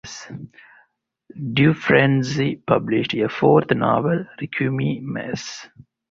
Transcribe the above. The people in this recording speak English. Dufresne published a fourth novel, Requiem, Mass.